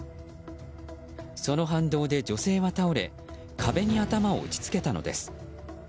その反動で女性は倒れ壁に頭を打ち付けたのです。